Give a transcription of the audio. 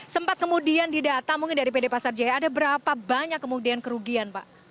sempat kemudian didata mungkin dari pd pasar jaya ada berapa banyak kemudian kerugian pak